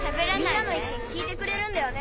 みんなの意見聞いてくれるんだよね？